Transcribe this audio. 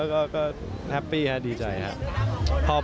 ก็แฮปปี้ครับดีใจครับ